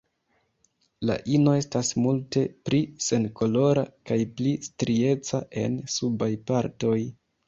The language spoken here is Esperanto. La ino estas multe pli senkolora kaj pli strieca en subaj partoj.